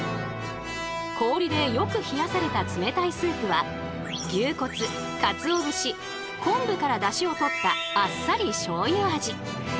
氷でよく冷やされた冷たいスープは牛骨かつお節昆布からダシをとったあっさりしょうゆ味。